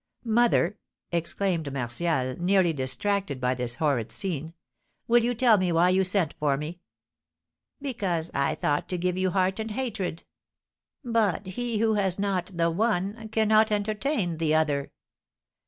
"Mother," exclaimed Martial, nearly distracted by this horrid scene, "will you tell me why you sent for me?" "Because I thought to give you heart and hatred; but he who has not the one cannot entertain the other.